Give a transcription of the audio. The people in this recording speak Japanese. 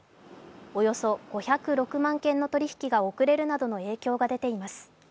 およそ５０６万件の取り引きが遅れるなどの影響が出ています。